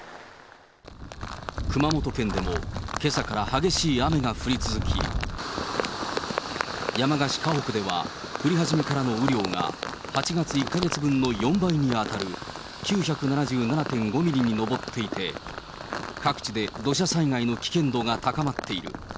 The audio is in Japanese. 熊本県でもけさから激しい雨が降り続き、山鹿市鹿北では、降り始めからの雨量が８月１か月分の４倍に当たる９７７．５ミリに上っていて、各地で土砂災害の危険度が高まっている。